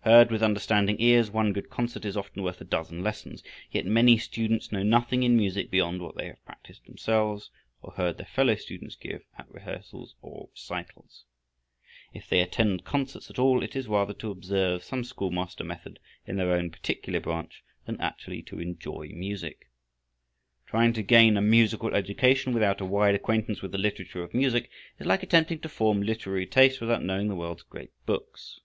Heard with understanding ears one good concert is often worth a dozen lessons, yet many students know nothing in music beyond what they have practiced themselves, or heard their fellow students give at rehearsals or recitals. If they attend concerts at all, it is rather to observe some schoolmaster method in their own particular branch than actually to enjoy music. Trying to gain a musical education without a wide acquaintance with the literature of music is like attempting to form literary taste without knowing the world's great books.